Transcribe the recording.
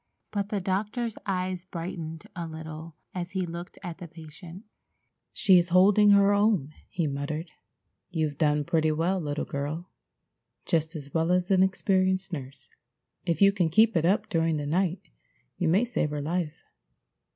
But the doctor's eyes brightened a little as he looked at the patient. "She's holding her own," he murmured. "You've done pretty well, little girl. Just as well as an experienced nurse. If you can keep it up during the night you may save her life.